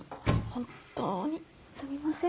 本当にすみません。